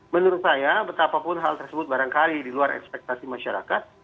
menurut saya betapapun hal tersebut barangkali di luar ekspektasi masyarakat